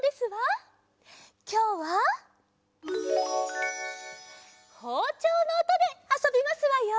きょうはほうちょうのおとであそびますわよ！